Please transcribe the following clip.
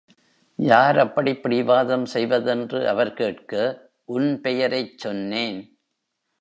யார் அப்படிப் பிடிவாதம் செய்வதென்று அவர் கேட்க, உன் பெயரைச் சொன்னேன்.